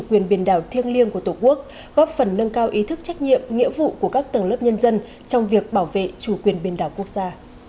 quyền biển đảo thiêng liêng của tổ quốc góp phần nâng cao ý thức trách nhiệm nghĩa vụ của các tầng lớp nhân dân trong việc bảo vệ chủ quyền biển đảo quốc gia